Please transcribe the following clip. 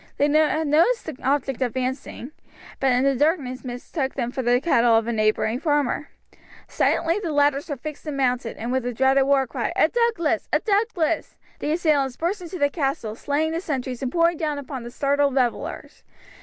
They had noticed the objects advancing, but in the darkness mistook them for the cattle of a neighbouring farmer. Silently the ladders were fixed and mounted, and with the dreaded war cry, "A Douglas! A Douglas!" the assailants burst into the castle, slaying the sentries and pouring down upon the startled revellers.